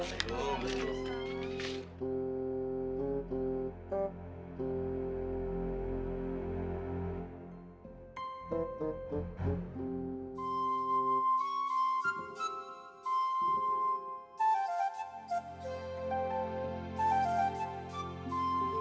ayo beritahu kemari